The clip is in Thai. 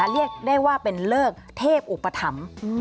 เรียกได้ว่าเป็นเลิกเทพอุปธรรม